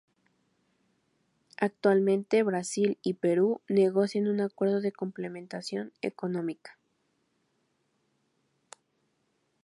Actualmente, Brasil y Perú negocian un Acuerdo de Complementación Económica.